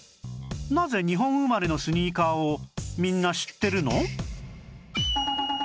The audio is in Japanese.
なぜ日本生まれのスニーカーをみんな知ってるの？